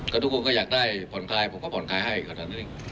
ก็ทุกคนก็อยากได้ผ่อนคลายผมก็ผ่อนคลายให้ขนาดนั้นเอง